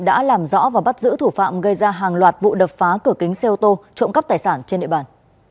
đã làm rõ và bắt giữ thủ phạm gây ra hàng loạt vụ đập phá cửa kính xe ô tô trộm cắp tài sản trên địa bàn